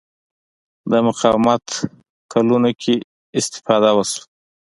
د مقاومت کلونو کې استفاده وشوه